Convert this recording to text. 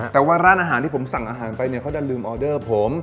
แต่ว่าร้านอาหารที่ผมสั่งอาหารไปเนี่ยเขาจะลืมออเดอร์ผม